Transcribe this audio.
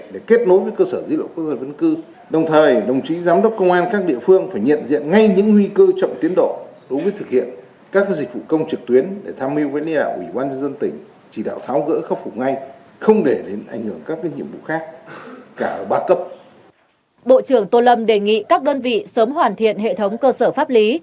bộ trưởng tô lâm đề nghị các đơn vị sớm hoàn thiện hệ thống cơ sở pháp lý